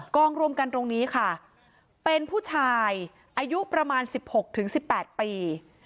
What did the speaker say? กองรวมกันตรงนี้ค่ะเป็นผู้ชายอายุประมาณ๑๖๑๘ปี